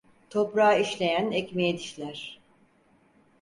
Toprağı işleyen, ekmeği dişler.